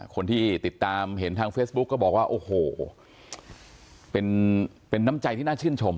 คนที่ติดตามเห็นทางเฟซบุ๊กก็บอกว่าโอ้โหเป็นน้ำใจที่น่าชื่นชม